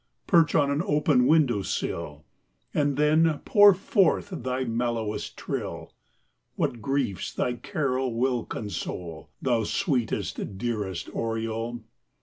Perch on an open window sill, And then pour forth thy mellowest trill. What griefs thy carol will console, Thou sweetest, dearest oriole!